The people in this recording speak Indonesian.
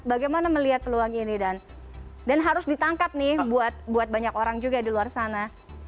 bagaimana melihat peluang ini dan harus ditangkap nih buat banyak orang juga di luar sana